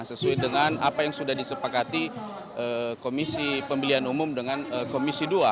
sesuai dengan apa yang sudah disepakati komisi pemilihan umum dengan komisi dua